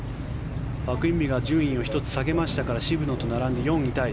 パク・インビが順位を１つ下げましたから渋野と並んで４位タイ。